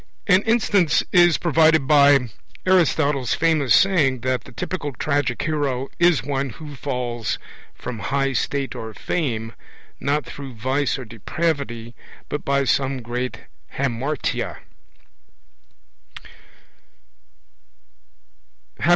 An instance is provided by Aristotle's famous saying that the typical tragic hero is one who falls from high state or fame, not through vice or depravity, but by some great hamartia.